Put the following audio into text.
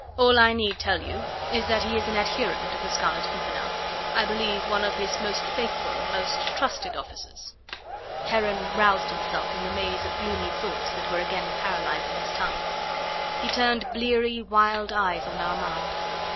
All I need tell you is that he is an adherent of the Scarlet Pimpernel I believe one of his most faithful, most trusted officers." Heron roused himself from the maze of gloomy thoughts that were again paralysing his tongue. He turned bleary, wild eyes on Armand.